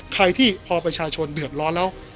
ใครที่พอประชาชนเดือดร้อนแล้ว